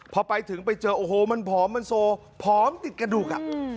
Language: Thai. พอไปถึงไปเจอโอ้โหมันผอมมันโซผอมติดกระดูกอ่ะ